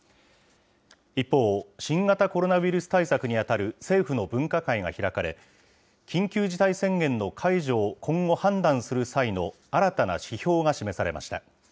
一方、新型コロナウイルス対策に当たる政府の分科会が開かれ、緊急事態宣言の解除を今後判断する際の新たな指標が示されました。